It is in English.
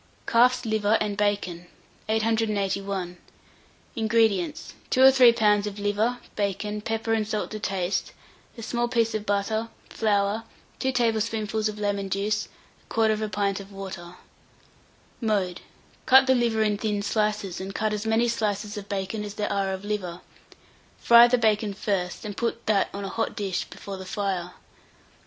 CALF'S LIVER AND BACON. 881. INGREDIENTS. 2 or 3 lbs. of liver, bacon, pepper and salt to taste, a small piece of butter, flour, 2 tablespoonfuls of lemon juice, 1/4 pint of water. Mode. Cut the liver in thin slices, and cut as many slices of bacon as there are of liver; fry the bacon first, and put that on a hot dish before the fire.